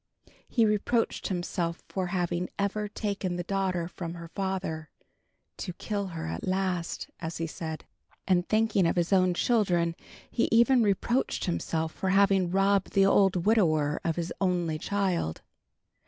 He reproached himself for having ever taken the daughter from her father, "to kill her at last," as he said. And (thinking of his own children) he even reproached himself for having robbed the old widower of his only child.